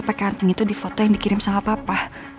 pakai anting itu di foto yang dikirim sama papa